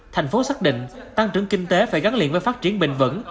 thành phố xác định tăng trưởng kinh tế phải gắn liền với phát triển bình vẩn